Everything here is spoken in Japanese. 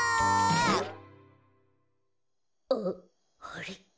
あっあれ？